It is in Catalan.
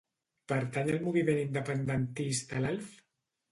Pertany al moviment independentista l'Alf?